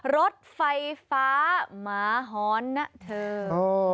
รถไฟฟ้ามหนะเทิง